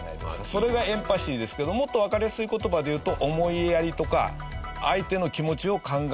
それがエンパシーですけどもっとわかりやすい言葉で言うと思いやりとか相手の気持ちを考える事。